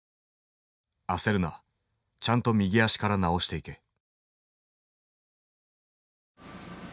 「あせるなちゃんと右足から直していけ」。